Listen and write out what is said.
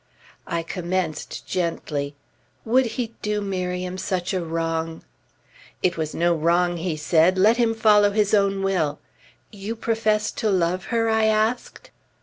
I commenced gently. Would he do Miriam such a wrong? It was no wrong, he said; let him follow his own will. "You profess to love her?" I asked.